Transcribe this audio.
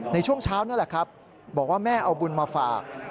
ในช่วงเช้านั่นแหละครับบอกว่าแม่เอาบุญมาฝาก